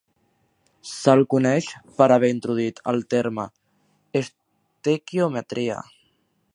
Se'l coneix per haver introduït el terme "estequiometria".